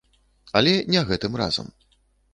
Але не гэтым разам.